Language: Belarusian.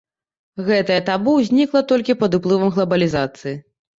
Гэтае табу знікла толькі пад уплывам глабалізацыі.